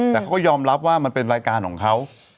แต่เขาก็ยอมรับว่ามันเป็นรายการของเขา